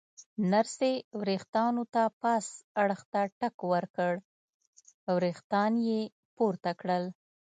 نرسې ورېښتانو ته پاس اړخ ته ټک ورکړ، ورېښتان یې پورته کړل.